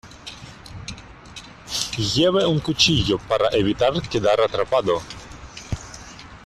lleve un cuchillo para evitar quedar atrapado.